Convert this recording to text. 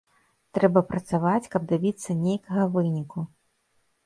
Трэба працаваць, каб дабіцца нейкага выніку.